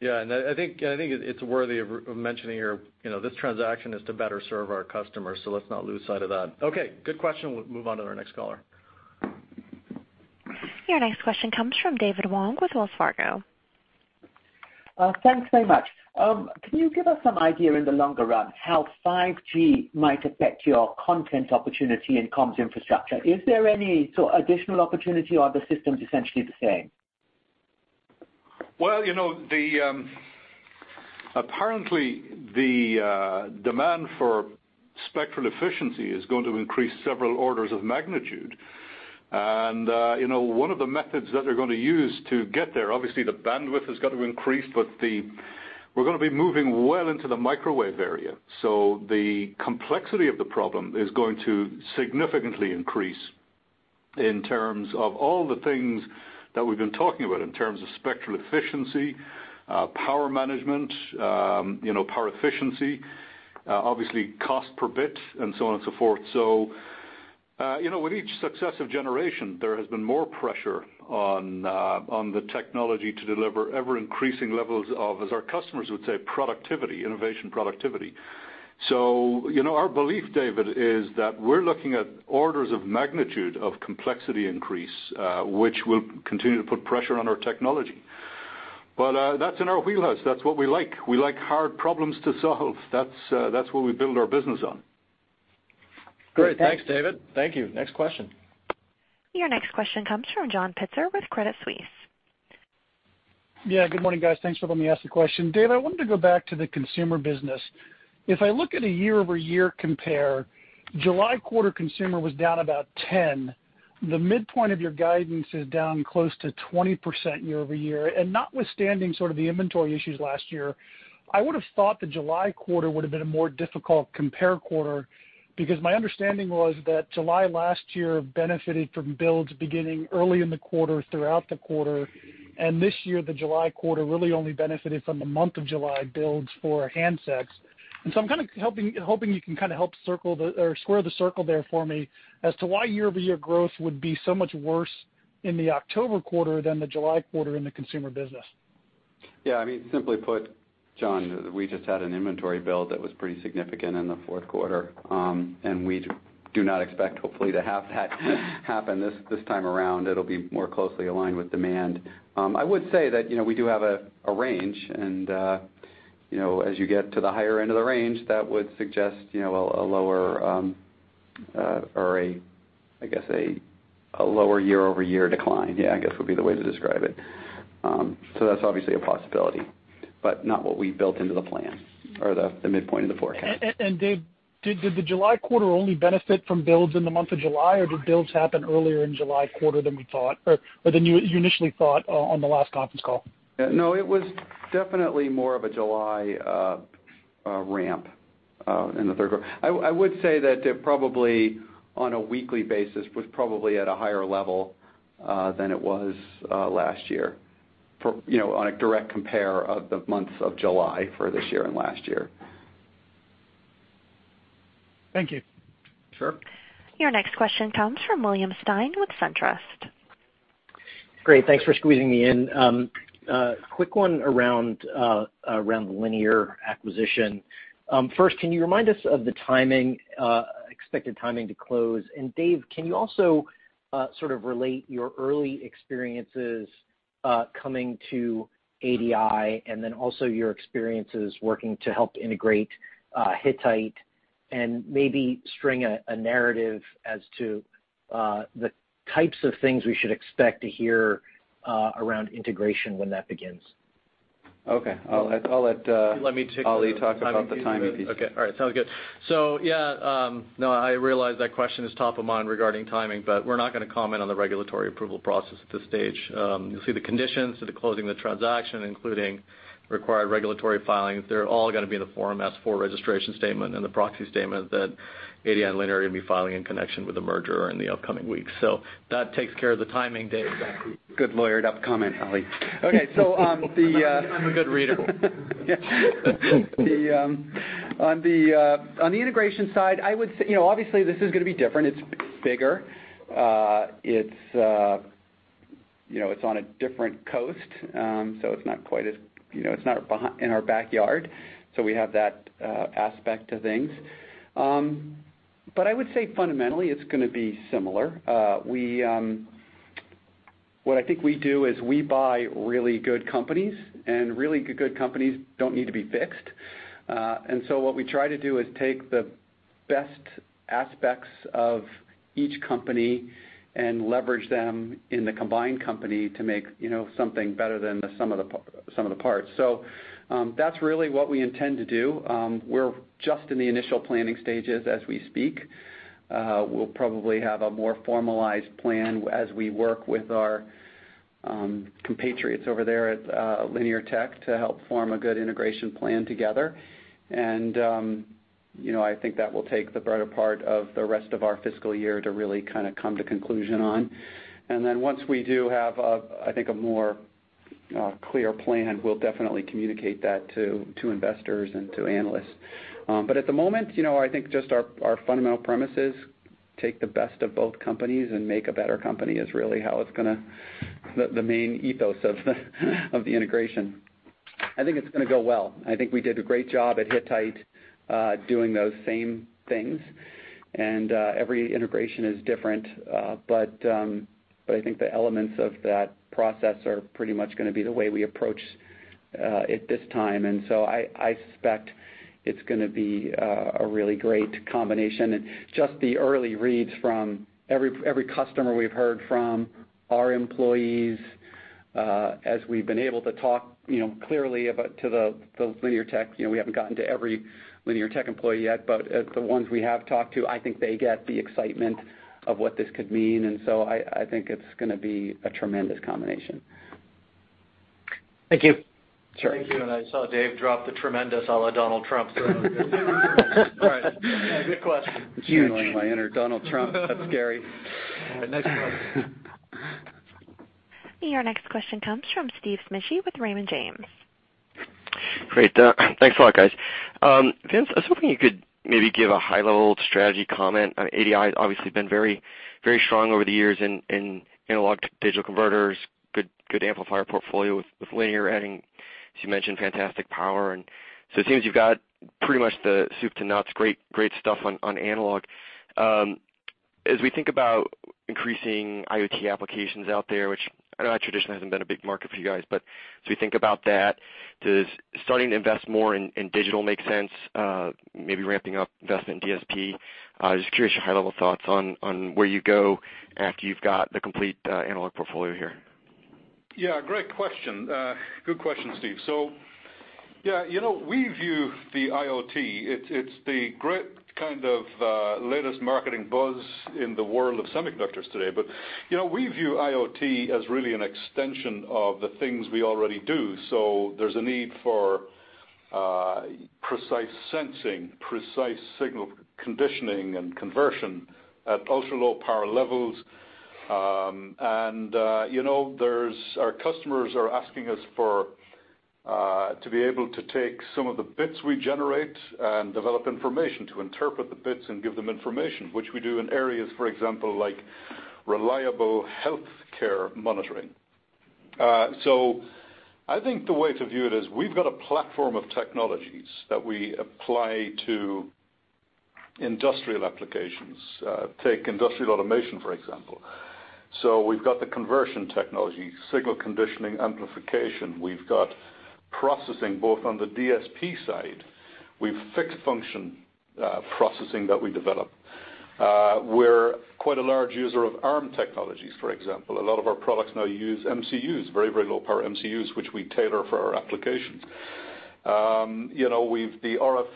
S2: Yeah. I think it's worthy of mentioning here, this transaction is to better serve our customers. Let's not lose sight of that. Okay. Good question. We'll move on to our next caller.
S1: Your next question comes from David Wong with Wells Fargo.
S17: Thanks so much. Can you give us some idea in the longer run how 5G might affect your content opportunity in comms infrastructure? Is there any sort of additional opportunity, or are the systems essentially the same?
S4: Well, apparently, the demand for spectral efficiency is going to increase several orders of magnitude. One of the methods that they're going to use to get there, obviously, the bandwidth has got to increase, but we're going to be moving well into the microwave area. The complexity of the problem is going to significantly increase in terms of all the things that we've been talking about, in terms of spectral efficiency, power management, power efficiency, obviously cost per bit, and so on and so forth. With each successive generation, there has been more pressure on the technology to deliver ever-increasing levels of, as our customers would say, productivity, innovation productivity. Our belief, David, is that we're looking at orders of magnitude of complexity increase, which will continue to put pressure on our technology. That's in our wheelhouse. That's what we like. We like hard problems to solve. That's what we build our business on.
S2: Great. Great. Thanks, David. Thank you. Next question.
S1: Your next question comes from John Pitzer with Credit Suisse.
S18: Yeah, good morning, guys. Thanks for letting me ask the question. Dave, I wanted to go back to the consumer business. If I look at a year-over-year compare, July quarter consumer was down about 10. The midpoint of your guidance is down close to 20% year-over-year. Notwithstanding sort of the inventory issues last year, I would've thought the July quarter would've been a more difficult compare quarter, because my understanding was that July last year benefited from builds beginning early in the quarter throughout the quarter, and this year, the July quarter really only benefited from the month of July builds for handsets. I'm kind of hoping you can kind of help square the circle there for me as to why year-over-year growth would be so much worse in the October quarter than the July quarter in the consumer business.
S3: Yeah. Simply put, John, we just had an inventory build that was pretty significant in the fourth quarter. We do not expect, hopefully, to have that happen this time around. It'll be more closely aligned with demand. I would say that we do have a range. As you get to the higher end of the range, that would suggest a lower year-over-year decline, I guess, would be the way to describe it. That's obviously a possibility, but not what we've built into the plan or the midpoint of the forecast.
S18: Dave, did the July quarter only benefit from builds in the month of July, or did builds happen earlier in July quarter than we thought, or than you initially thought on the last conference call?
S3: No. It was definitely more of a July ramp in the third quarter. I would say that it probably, on a weekly basis, was probably at a higher level than it was last year on a direct compare of the months of July for this year and last year.
S18: Thank you.
S3: Sure.
S1: Your next question comes from William Stein with SunTrust.
S19: Great. Thanks for squeezing me in. Quick one around the Linear acquisition. First, can you remind us of the expected timing to close? Dave, can you also sort of relate your early experiences coming to ADI and then also your experiences working to help integrate Hittite and maybe string a narrative as to the types of things we should expect to hear around integration when that begins?
S3: Okay. I'll let
S4: Let me take
S3: Ali talk about the timing piece.
S2: Okay. All right. Sounds good. Yeah. No, I realize that question is top of mind regarding timing, but we're not going to comment on the regulatory approval process at this stage. You'll see the conditions to the closing of the transaction, including required regulatory filings. They're all going to be in the Form S-4 registration statement and the proxy statement that ADI and Linear are going to be filing in connection with the merger in the upcoming weeks. That takes care of the timing, Dave.
S3: Exactly. Good lawyered-up comment, Ali. Okay.
S19: I'm a good reader.
S3: On the integration side, obviously, this is going to be different. It's bigger. It's on a different coast, so it's not in our backyard, so we have that aspect to things. I would say fundamentally, it's going to be similar. What I think we do is we buy really good companies, and really good companies don't need to be fixed. What we try to do is take the best aspects of each company and leverage them in the combined company to make something better than the sum of the parts. That's really what we intend to do. We're just in the initial planning stages as we speak. We'll probably have a more formalized plan as we work with our compatriots over there at Linear Tech to help form a good integration plan together. I think that will take the better part of the rest of our fiscal year to really come to conclusion on. Once we do have, I think, a more clear plan, we'll definitely communicate that to investors and to analysts. At the moment, I think just our fundamental premise is take the best of both companies and make a better company is really the main ethos of the integration. I think it's going to go well. I think we did a great job at Hittite doing those same things, and every integration is different. I think the elements of that process are pretty much going to be the way we approach it this time, and so I suspect it's going to be a really great combination. Just the early reads from every customer we've heard from, our employees as we've been able to talk clearly to the Linear Tech, we haven't gotten to every Linear Tech employee yet, but the ones we have talked to, I think they get the excitement of what this could mean, and so I think it's going to be a tremendous combination.
S19: Thank you.
S3: Sure.
S2: Thank you. I saw Dave drop the "tremendous" a la Donald Trump. Good question.
S3: Channeling my inner Donald Trump. That's scary.
S2: All right. Next question.
S1: Your next question comes from Steve Smigie with Raymond James.
S20: Great. Thanks a lot, guys. Vince, I was hoping you could maybe give a high-level strategy comment. ADI's obviously been very strong over the years in analog to digital converters, good amplifier portfolio with Linear adding, as you mentioned, fantastic power. It seems you've got pretty much the soup to nuts, great stuff on analog. As we think about increasing IoT applications out there, which I know that traditionally hasn't been a big market for you guys, but as we think about that, does starting to invest more in digital make sense, maybe ramping up investment in DSP? Just curious your high-level thoughts on where you go after you've got the complete analog portfolio here.
S4: Yeah. Great question. Good question, Steve. Yeah, we view the IoT, it's the great kind of latest marketing buzz in the world of semiconductors today. We view IoT as really an extension of the things we already do. There's a need for precise sensing, precise signal conditioning, and conversion at ultra-low power levels. Our customers are asking us to be able to take some of the bits we generate and develop information to interpret the bits and give them information, which we do in areas, for example, like reliable healthcare monitoring. I think the way to view it is we've got a platform of technologies that we apply to industrial applications. Take industrial automation, for example. We've got the conversion technology, signal conditioning, amplification. We've got processing both on the DSP side. We've fixed function processing that we develop. We're quite a large user of Arm technologies, for example. A lot of our products now use MCUs, very low-power MCUs, which we tailor for our applications. The RF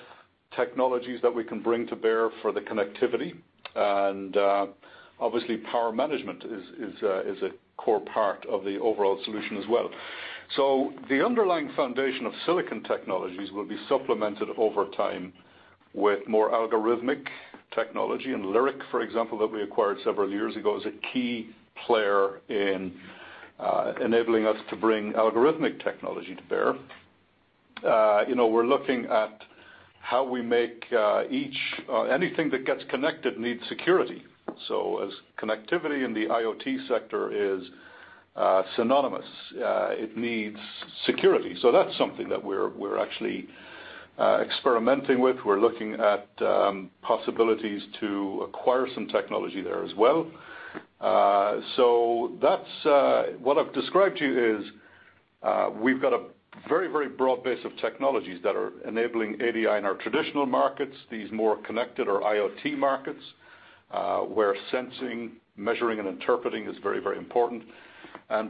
S4: technologies that we can bring to bear for the connectivity, and obviously power management is a core part of the overall solution as well. The underlying foundation of silicon technologies will be supplemented over time with more algorithmic technology. Lyric, for example, that we acquired several years ago, is a key player in enabling us to bring algorithmic technology to bear. We're looking at how we make anything that gets connected needs security. As connectivity in the IoT sector is synonymous it needs security. That's something that we're actually experimenting with. We're looking at possibilities to acquire some technology there as well. What I've described to you is we've got a very broad base of technologies that are enabling ADI in our traditional markets, these more connected or IoT markets where sensing, measuring, and interpreting is very important.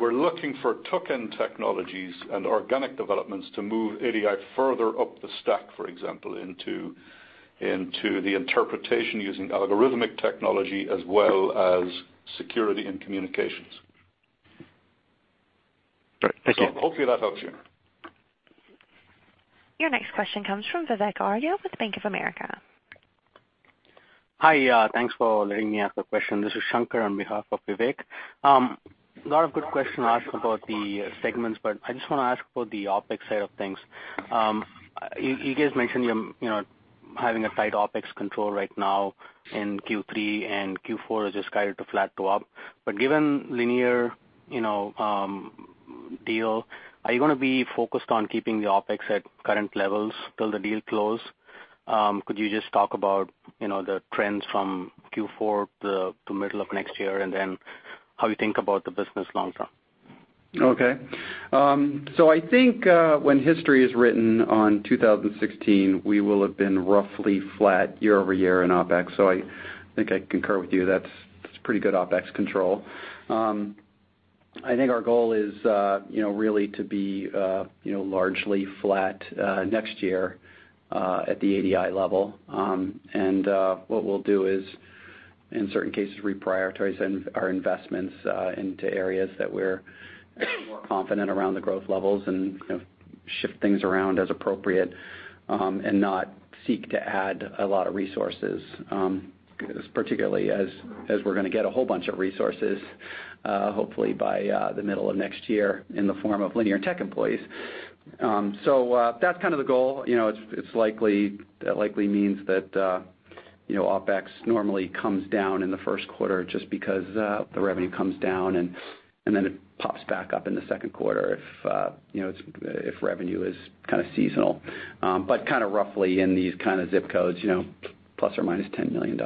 S4: We're looking for token technologies and organic developments to move ADI further up the stack, for example, into the interpretation using algorithmic technology as well as security and communications.
S20: Great. Thank you.
S4: Hopefully that helps you.
S1: Your next question comes from Vivek Arya with Bank of America.
S21: Hi. Thanks for letting me ask a question. This is Shankar on behalf of Vivek. A lot of good questions asked about the segments, but I just want to ask about the OpEx side of things. You guys mentioned you're having a tight OpEx control right now in Q3, and Q4 is just guided to flat to up. Given Linear deal, are you going to be focused on keeping the OpEx at current levels till the deal close? Could you just talk about the trends from Q4 to middle of next year, and then how you think about the business long term?
S3: Okay. I think when history is written on 2016, we will have been roughly flat year-over-year in OpEx. I think I concur with you, that's pretty good OpEx control. I think our goal is really to be largely flat next year at the ADI level. What we'll do is, in certain cases, reprioritize our investments into areas that we're more confident around the growth levels and shift things around as appropriate, and not seek to add a lot of resources, particularly as we're going to get a whole bunch of resources, hopefully by the middle of next year in the form of Linear Tech employees. That's kind of the goal. That likely means that OpEx normally comes down in the first quarter just because the revenue comes down, then it pops back up in the second quarter if revenue is kind of seasonal. Roughly in these kind of zip codes, ±$10 million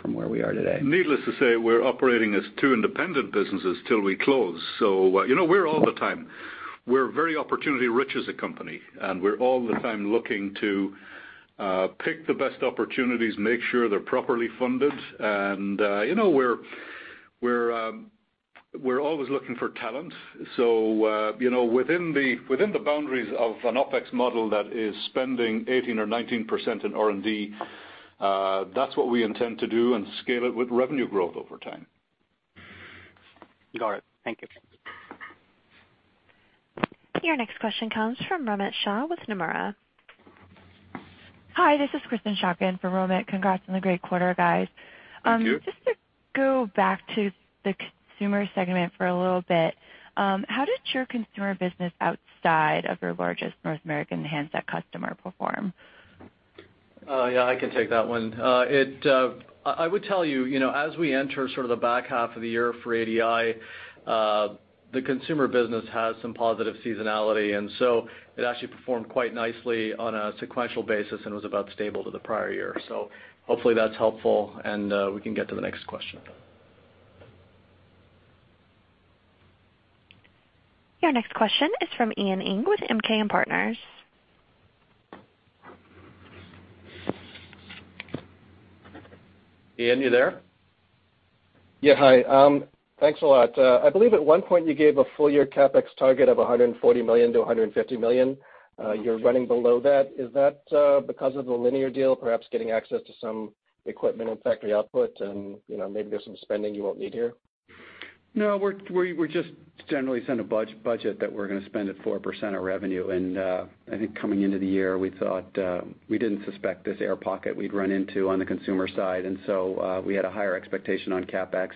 S3: from where we are today.
S4: Needless to say, we're operating as two independent businesses till we close. We're all the time. We're very opportunity rich as a company, and we're all the time looking to pick the best opportunities, make sure they're properly funded. We're always looking for talent. Within the boundaries of an OpEx model that is spending 18% or 19% in R&D, that's what we intend to do and scale it with revenue growth over time.
S21: Got it. Thank you.
S1: Your next question comes from Romit Shah with Nomura.
S22: Hi, this is Kristen Shak for Romit. Congrats on the great quarter, guys.
S3: Thank you.
S22: Just to go back to the consumer segment for a little bit. How does your consumer business outside of your largest North American handset customer perform?
S3: Yeah, I can take that one. I would tell you, as we enter sort of the back half of the year for ADI, the consumer business has some positive seasonality. It actually performed quite nicely on a sequential basis and was about stable to the prior year. Hopefully that's helpful, and we can get to the next question.
S1: Your next question is from Ian Ing with MKM Partners.
S3: Ian, you there?
S23: Yeah. Hi. Thanks a lot. I believe at one point you gave a full year CapEx target of $140 million-$150 million. You're running below that. Is that because of the Linear deal, perhaps getting access to some equipment and factory output and maybe there's some spending you won't need here?
S3: No, we're just generally set a budget that we're going to spend at 4% of revenue. I think coming into the year, we didn't suspect this air pocket we'd run into on the consumer side. We had a higher expectation on CapEx.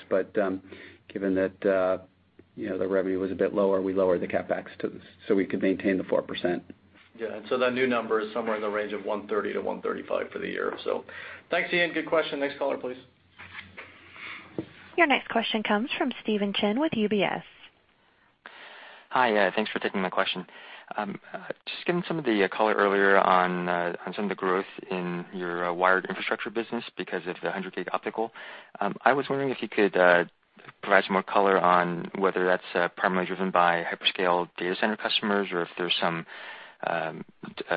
S3: Given that the revenue was a bit lower, we lowered the CapEx so we could maintain the 4%.
S2: Yeah. That new number is somewhere in the range of 130 to 135 for the year. Thanks, Ian. Good question. Next caller, please.
S1: Your next question comes from Steven Chin with UBS.
S24: Hi. Thanks for taking my question. Just given some of the color earlier on some of the growth in your wired infrastructure business because of the 100G optical, I was wondering if you could provide some more color on whether that's primarily driven by hyperscale data center customers or if there's some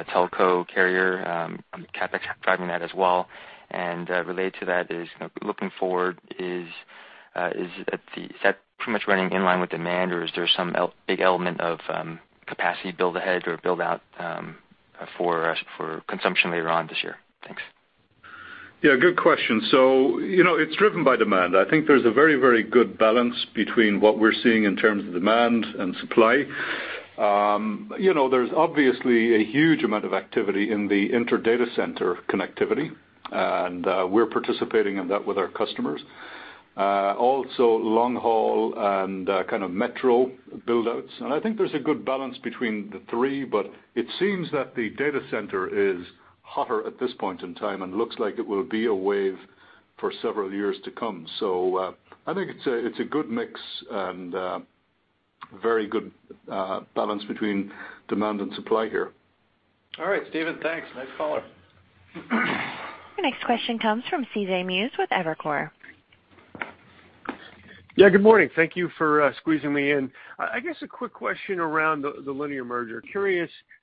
S24: telco carrier CapEx driving that as well. Related to that is looking forward, is that pretty much running in line with demand or is there some big element of capacity build ahead or build out for consumption later on this year? Thanks.
S4: Yeah, good question. It's driven by demand. I think there's a very good balance between what we're seeing in terms of demand and supply. There's obviously a huge amount of activity in the inter data center connectivity, and we're participating in that with our customers. Also long haul and kind of metro build-outs. I think there's a good balance between the three, but it seems that the data center is hotter at this point in time and looks like it will be a wave for several years to come. I think it's a good mix and very good balance between demand and supply here.
S2: All right, Steven. Thanks. Next caller.
S1: Your next question comes from C.J. Muse with Evercore.
S25: Yeah, good morning. Thank you for squeezing me in. I guess a quick question around the Linear merger.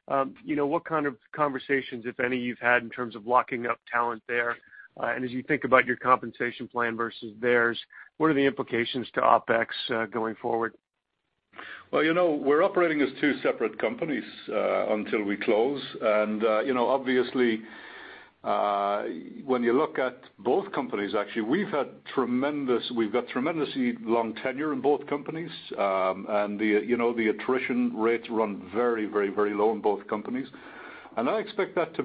S25: Curious what kind of conversations, if any, you've had in terms of locking up talent there. As you think about your compensation plan versus theirs, what are the implications to OpEx going forward?
S4: Well, we're operating as two separate companies until we close. Obviously, when you look at both companies, actually, we've got tremendously long tenure in both companies. The attrition rates run very low in both companies. I expect that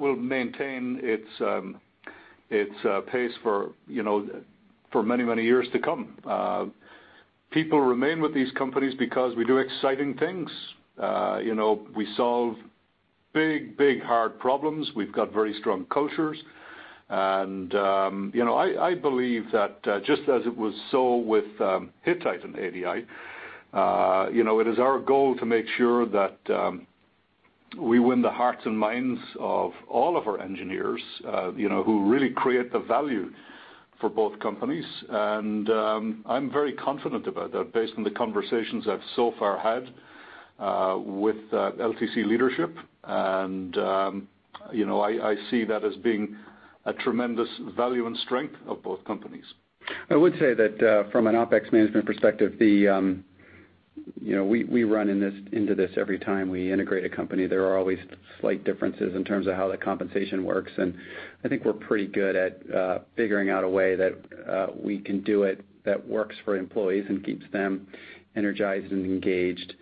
S4: will maintain its pace for many years to come. People remain with these companies because we do exciting things. We solve big hard problems. We've got very strong cultures. I believe that just as it was so with Hittite and ADI, it is our goal to make sure that we win the hearts and minds of all of our engineers who really create the value for both companies. I'm very confident about that based on the conversations I've so far had with LTC leadership. I see that as being a tremendous value and strength of both companies.
S3: I would say that from an OpEx management perspective, we run into this every time we integrate a company. There are always slight differences in terms of how the compensation works, and I think we're pretty good at figuring out a way that we can do it that works for employees and keeps them energized and engaged,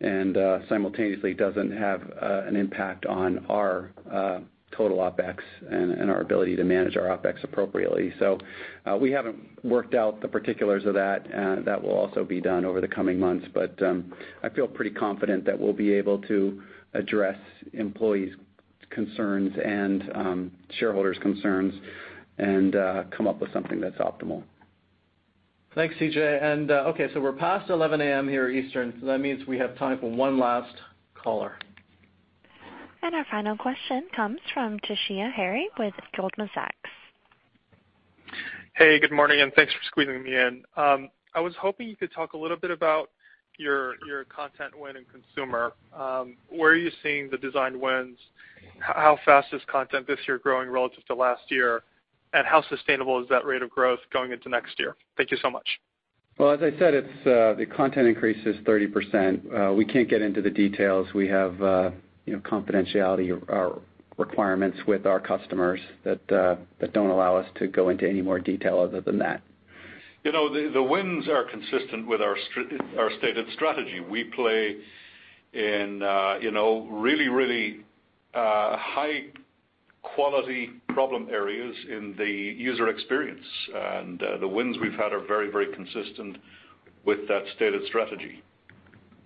S3: and simultaneously doesn't have an impact on our total OpEx and our ability to manage our OpEx appropriately. We haven't worked out the particulars of that. That will also be done over the coming months, but I feel pretty confident that we'll be able to address employees' concerns and shareholders' concerns and come up with something that's optimal.
S2: Thanks, CJ. Okay, we're past 11:00 A.M. here Eastern, that means we have time for one last caller.
S1: Our final question comes from Toshiya Hari with Goldman Sachs.
S26: Hey, good morning, thanks for squeezing me in. I was hoping you could talk a little bit about your content win in consumer. Where are you seeing the design wins? How fast is content this year growing relative to last year? How sustainable is that rate of growth going into next year? Thank you so much.
S3: Well, as I said, the content increase is 30%. We can't get into the details. We have confidentiality requirements with our customers that don't allow us to go into any more detail other than that.
S4: The wins are consistent with our stated strategy. We play in really high-quality problem areas in the user experience. The wins we've had are very consistent with that stated strategy.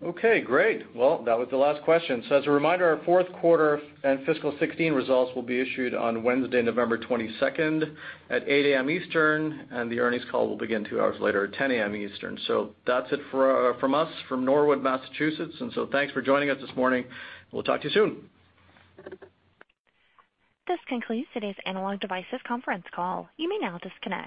S2: Okay, great. Well, that was the last question. As a reminder, our fourth quarter and fiscal 2016 results will be issued on Wednesday, November 22nd at 8:00 A.M. Eastern. The earnings call will begin two hours later at 10:00 A.M. Eastern. That's it from us from Norwood, Massachusetts. Thanks for joining us this morning. We'll talk to you soon.
S1: This concludes today's Analog Devices conference call. You may now disconnect.